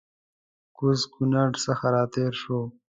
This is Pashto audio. کوز کونړ څخه راتېر سوو